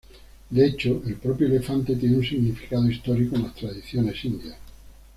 De hecho, el propio elefante tiene un significado histórico en las tradiciones indias.